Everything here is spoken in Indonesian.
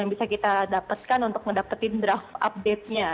yang bisa kita dapatkan untuk mendapatkan draft update nya